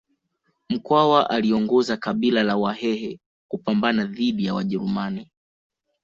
mkwawa aliongoza kabila la wahehe kupambana dhidi ya wajerumani